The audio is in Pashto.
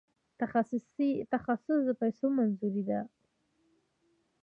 تخصیص د پیسو منظوري ده